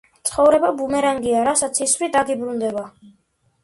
ცხოვრება ბუმერანგია, რასაც ისვრი დაგიბრუნდება.